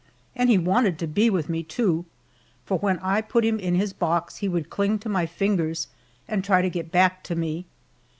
And he wanted to be with me, too, for when I put him in his box he would cling to my fingers and try to get back to me.